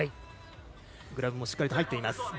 グラブもしっかり入っています。